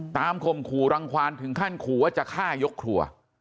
ข่มขู่รังความถึงขั้นขู่ว่าจะฆ่ายกครัว